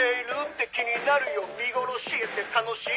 「見殺しって楽しい？」